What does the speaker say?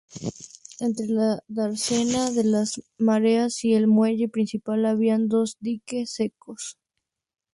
Entre la dársena de las mareas y el muelle principal había dos diques secos.